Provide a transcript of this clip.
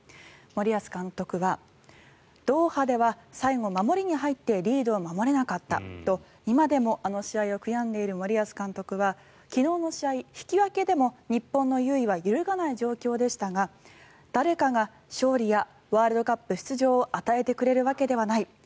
森保監督はドーハでは最後守りに入ってリードを守れなかったと今でもあの試合を悔やんでいる森保監督は昨日の試合、引き分けでも日本の優位は揺るがない状況でしたが誰かが勝利やワールドカップ出場を与えてくれるわけではない。